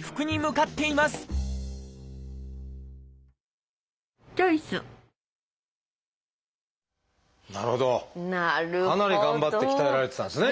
かなり頑張って鍛えられてたんですね。